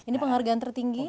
ini penghargaan tertinggi